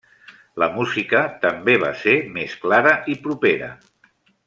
La música també va ser més clara i propera.